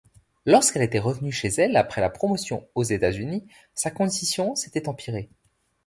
Lorsqu’elle était revenue chez elle après la promotion aux États-Unis, sa condition s’était empirée.